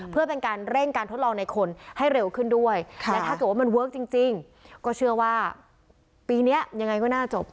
เพื่อเป็นการเร่งการทดลองในคนให้เร็วขึ้นด้วยและถ้าเกิดว่ามันเวิร์คจริงก็เชื่อว่าปีนี้ยังไงก็น่าจบ